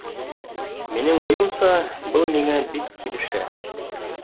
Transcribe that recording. Минең уйымса, был миңә бик килешә